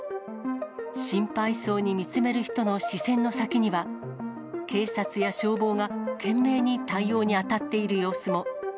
心配そうに見つめる人の視線の先には、警察や消防が懸命に対応に当たっている様子も。